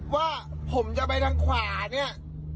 ว่าผมจะไปทางขวาเนี่ย